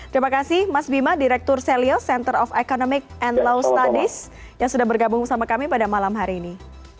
terima kasih mas bima direktur selyo center of economic and law studies yang sudah bergabung sama kami pada malam hari ini